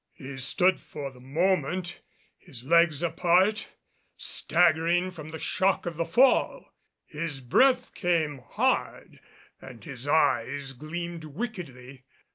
He stood for the moment, his legs apart, staggering from the shock of the fall. His breath came hard and his eyes gleamed wickedly.